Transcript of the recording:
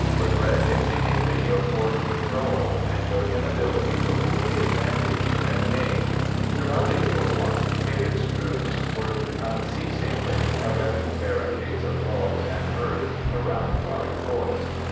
Regret exceedingly your forced withdrawal, and your inability to hold the advantage you had gained." Throughout April 1, Pickett's troops worked unceasingly, erecting barricades of logs and earth around Five Forks.